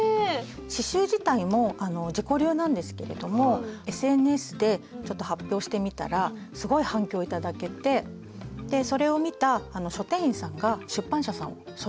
刺しゅう自体も自己流なんですけれどもＳＮＳでちょっと発表してみたらすごい反響頂けてそれを見た書店員さんが出版社さんを紹介して下さって。